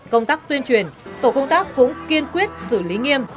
công tác tuyên truyền tổ công tác cũng kiên quyết xử lý nghiêm